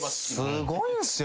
すごいんすよ